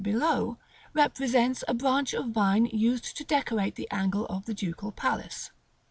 below, represents a branch of vine used to decorate the angle of the Ducal Palace.